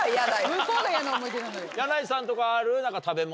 向こうが嫌な思い出なのよ。